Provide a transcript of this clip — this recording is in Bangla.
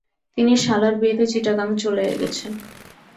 তিনি শালার বিয়েতে চিটাগাং চলে গেছেন।